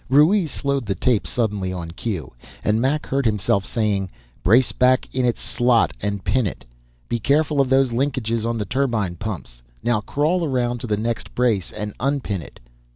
Ruiz slowed the tape suddenly, on cue, and Mac heard himself saying, "... Brace back in its slot and pin it. Be careful of those linkages on the turbine pumps. Now crawl around to the next brace and unpin it."